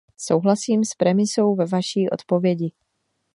Souhlasím s premisou ve vaší odpovědi.